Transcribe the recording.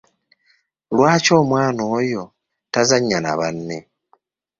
Lwaki omwana oyo tazannya na banne?